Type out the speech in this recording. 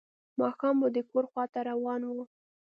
ماښام به د کور خواته روان و.